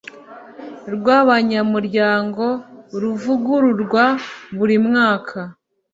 rw abanyamuryango ruvugururwa buri mwaka